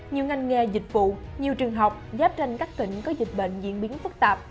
nhiều ngành nghề dịch vụ nhiều trường học giáp tranh các tỉnh có dịch bệnh diễn biến phức tạp